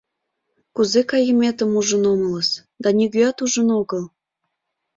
— Кузе кайыметым ужын омылыс, да нигӧат ужын огыл.